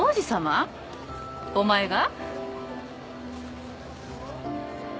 お前が？